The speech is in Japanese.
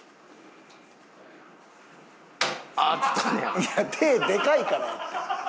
いや手でかいからやって。